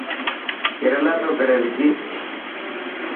ڪيريلا پيو ڪري وڪي.